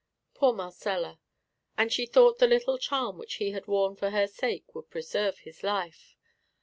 Poor Marcella! and she thought the little charm which he had worn for her sake would preserve his life.